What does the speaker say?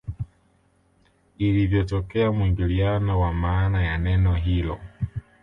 Ilivyotokea muingiliano wa maana ya neno hilo